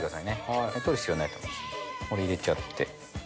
これ入れちゃって。